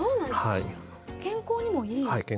はい健康にもいい。